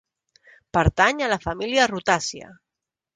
Pertany a la família Rutàcia.